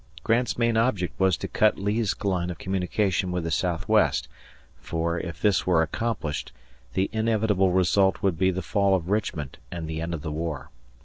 Grant's main object was to cut Lee's line of communication with the southwest, for, if this were accomplished, the inevitable result would be the fall of Richmond and the end of the war.